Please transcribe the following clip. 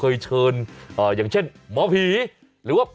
คุณติเล่าเรื่องนี้ให้ฮะ